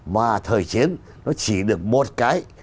mà thời chiến nó chỉ được một cái